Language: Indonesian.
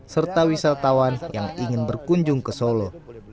serta wisatawan yang ingin berkunjung ke solo